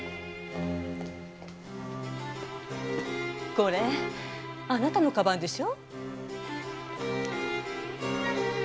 これあなたのかばんでしょ？